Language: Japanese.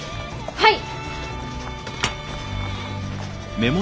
はい！